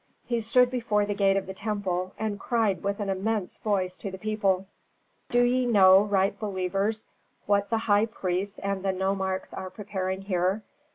He stood before the gate of the temple and cried with an immense voice to the people, "Do ye know, right believers, what the high priests and the nomarchs are preparing here?